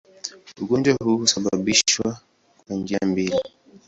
Ugonjwa huu husababishwa kwa njia mbili.